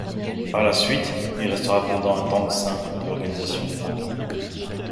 Par la suite, il restera pendant un temps au sein de l'organisation des Penguins.